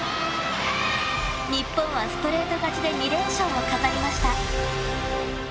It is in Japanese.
日本はストレート勝ちで２連勝を飾りました。